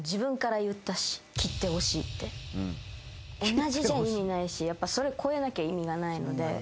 同じじゃ意味ないしそれ超えなきゃ意味がないので。